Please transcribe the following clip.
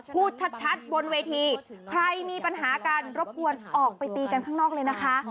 พูดชัดบนเวทีใครมีปัญหากันรบกวนออกไปตีกันข้างนอกเลยนะคะ